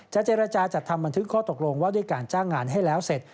เจรจาจัดทำบันทึกข้อตกลงว่าด้วยการจ้างงานให้แล้วเสร็จ